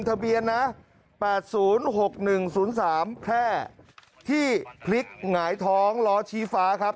ทะเบียนนะ๘๐๖๑๐๓แพร่ที่พลิกหงายท้องล้อชี้ฟ้าครับ